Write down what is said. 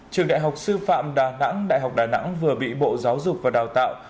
trường đại học sư phạm đà nẵng đại học đà nẵng vừa bị bộ giáo dục và đào tạo